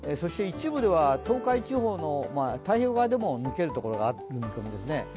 一部では東海地方の太平洋側でも抜けることがあるという見込みですね。